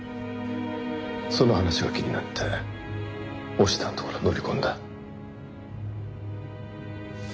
その話が気になって押田のところ乗り込んだ。